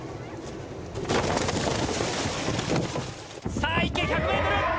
さあ行け１００ｍ！